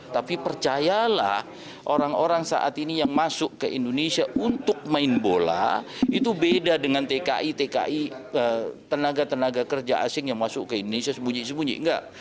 tapi percayalah orang orang saat ini yang masuk ke indonesia untuk main bola itu beda dengan tki tki tenaga tenaga kerja asing yang masuk ke indonesia sembunyi sembunyi enggak